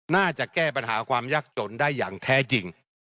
น่าจะแก้ปัญหาความยากจนได้อย่างแท้จริง